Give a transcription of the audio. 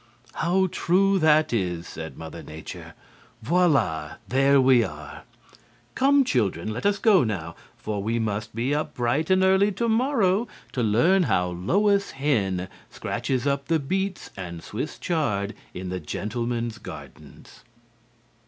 "How true that is!" said Mother Nature. "Voilà, there we are!... Come, children, let us go now, for we must be up bright and early to morrow to learn how Lois Hen scratches up the beets and Swiss chard in the gentlemen's gardens."